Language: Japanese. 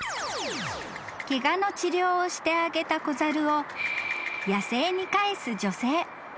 ［ケガの治療をしてあげた子猿を野生に返す女性］